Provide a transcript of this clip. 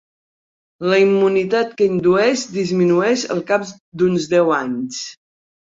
La immunitat que indueix disminueix al cap d'uns deu anys.